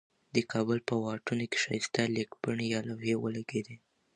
دې کابل په واټونو کې ښایسته لیکبڼي یا لوحی ولګیدي.